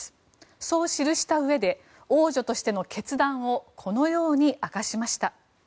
そう記したうえで王女としての決断をこのように明かしました。